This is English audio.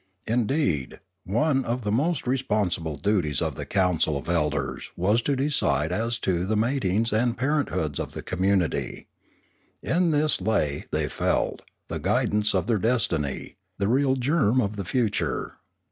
In deed, one of the most responsible duties of the council of elders was to decide as to the matings and parent hoods of the community; in this lay, they felt, the guidance of their destiny, the real germ of the future.